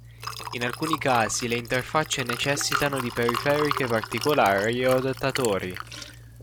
In alcuni casi le interfacce necessitano di periferiche particolari o adattatori.